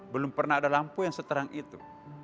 belum pernah ada lampu yang seterang itu